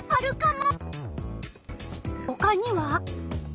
ほかには？